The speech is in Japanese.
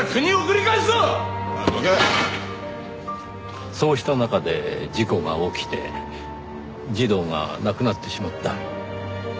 そうした中で事故が起きて児童が亡くなってしまった。